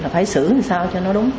phải xử thì sao cho nó đúng